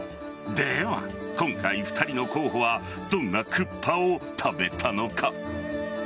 では、今回２人の候補はどんなクッパを食べたのか。